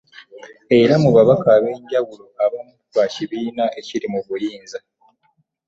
Era mu babaka ab'enjawulo abamu ba kibiina ekiri mu buyinza